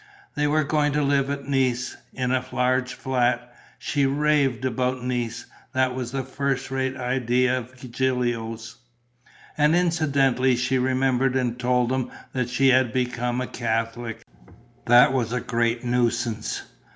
They were going to live at Nice, in a large flat. She raved about Nice: that was a first rate idea of Gilio's. And incidentally she remembered and told them that she had become a Catholic. That was a great nuisance!